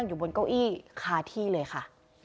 อยู่บนเก้าอี้คาที่เลยค่ะ